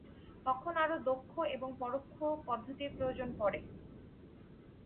তখন আরও দক্ষ এবং পরোক্ষ পদ্ধতির প্রয়োজন পড়ে।